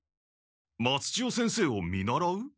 松千代先生を見習う？